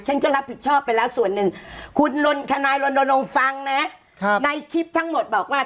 ฉันก็รับผิดชอบไปแล้วส่วนหนึ่งคุณทนายรณรงค์ฟังนะในคลิปทั้งหมดบอกว่า